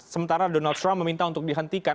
sementara donald trump meminta untuk dihentikan